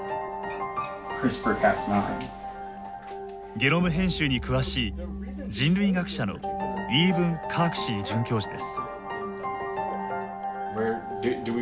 ゲノム編集に詳しい人類学者のイーブン・カークシー准教授です。